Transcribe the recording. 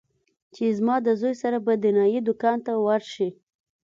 چې زما د زوى سره به د نايي دوکان ته ورشې.